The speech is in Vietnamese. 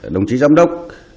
đồng chí giám đốc